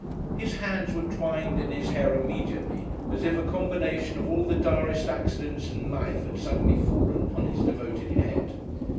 His hands were twined in his hair immediately, as if a combination of all the direst accidents in life had suddenly fallen on his devoted head.